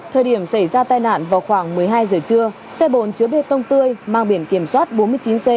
thời điểm xảy ra tai nạn vào khoảng một mươi hai giờ trưa xe bồn chở bê tông tươi mang biển kiểm soát bốn mươi chín c một mươi một nghìn bốn trăm một mươi